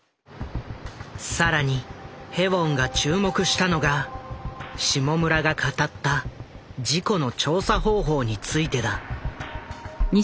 更にヘウォンが注目したのが下村が語った事故の調査方法についてだ。